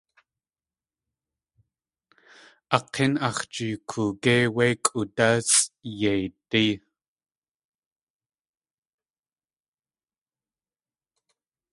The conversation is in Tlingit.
A k̲ín ax̲ jee koogéi wé kʼoodásʼ yeidí.